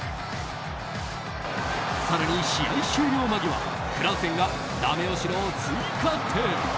更に試合終了間際クラーセンがダメ押しの追加点！